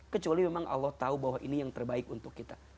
kecuali memang allah tahu bahwa ini yang terbaik untuk kita